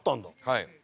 はい。